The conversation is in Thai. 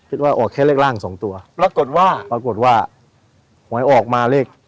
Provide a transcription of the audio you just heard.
คิดว่าออกแค่เลขร่างสองตัวปรากฏว่าปรากฏว่าไหมออกมาเลข